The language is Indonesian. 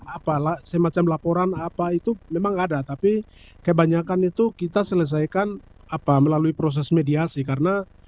apalah semacam laporan apa itu memang ada tapi kebanyakan itu kita selesaikan apa melalui proses mediasi karena